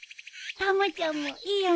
たまちゃんもいいよね？